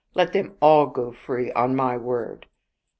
Let them all go free on my word."